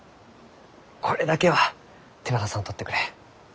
これだけは手放さんとってくれ。